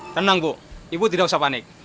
tenang bu ibu tidak usah panik